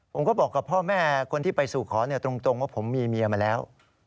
ผมก็บอกกับพ่อแม่คนที่ไปสู่ขอตรงว่าผมมีเมียมาแล้ว